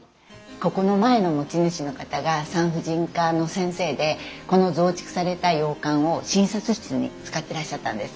ここの前の持ち主の方が産婦人科の先生でこの増築された洋館を診察室に使ってらっしゃったんです。